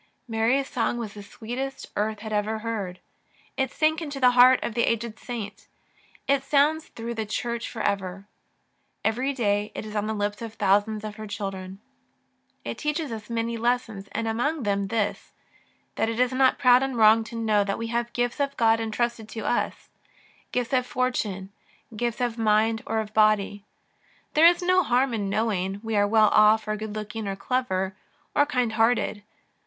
Mary's song was the sweetest earth had ever heard. It sank into the heart of the aged saint. It sounds through the Church for ever. Every day it is on the lips of thousands of her children. It teaches us many lessons, and among them this — that it is not proud and wrong to know that we have gifts of God entrusted to us, gifts of fortune, gifts of body or of mind. There is no harm in knowing we are well off, or good looking, or clever, or kind hearted.